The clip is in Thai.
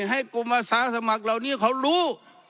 ให้กรมอาสาสมัครเหล่านี้เขารู้